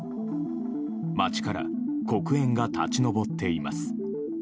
街から黒煙が立ち上っています。